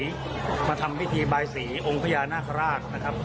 มาทำพิธีบายสีองค์พญานาคาราชนะครับ